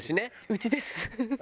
うちです